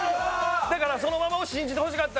だから、そのままを信じてほしかった。